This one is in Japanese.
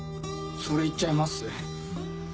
それ言っちゃいます？